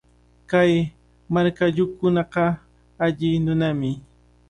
Kay markayuqkunaqa alli nunami.